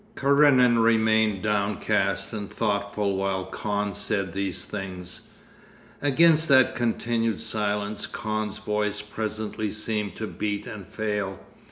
Karenin remained downcast and thoughtful while Kahn said these things. Against that continued silence Kahn's voice presently seemed to beat and fail.